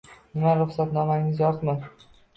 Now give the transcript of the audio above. Nima ruxsatnomangiz yo`qmi